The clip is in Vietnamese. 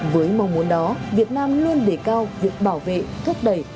với mong muốn đó việt nam luôn đề cao việc bảo vệ thúc đẩy